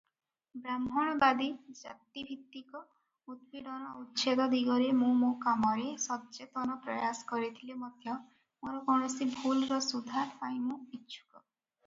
ବ୍ରାହ୍ମଣବାଦୀ ଜାତିଭିତ୍ତିକ ଉତ୍ପୀଡ଼ନ ଉଚ୍ଛେଦ ଦିଗରେ ମୁଁ ମୋ କାମରେ ସଚେତନ ପ୍ରୟାସ କରିଥିଲେ ମଧ୍ୟ ମୋର କୌଣସି ଭୁଲର ସୁଧାର ପାଇଁ ମୁଁ ଇଚ୍ଛୁକ ।